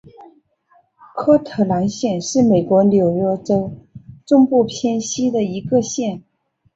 科特兰县是美国纽约州中部偏西的一个县。